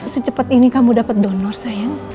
secepat ini kamu dapat donor sayang